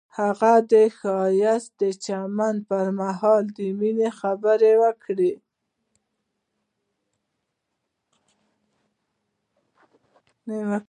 هغه د ښایسته چمن پر مهال د مینې خبرې وکړې.